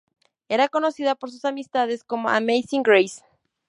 Era conocida por sus amistades como "Amazing Grace.